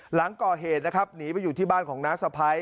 หลังก่อเหตุนะครับหนีไปอยู่ที่บ้านของน้าสะพ้าย